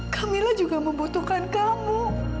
kamila juga membutuhkan kamu